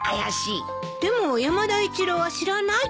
でも山田一郎は知らないって。